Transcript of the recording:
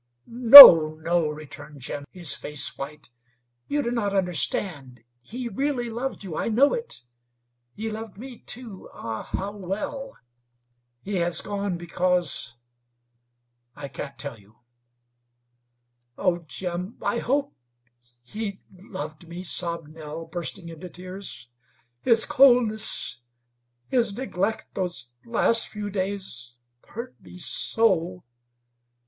"No, no," returned Jim, his face white. "You do not understand. He really loved you I know it. He loved me, too. Ah, how well! He has gone because I can't tell you." "Oh, Jim, I hope he loved me," sobbed Nell, bursting into tears. "His coldness his neglect those last few days hurt me so.